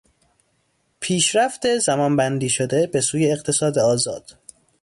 پیشرفت زمان بندی شده به سوی اقتصاد آزاد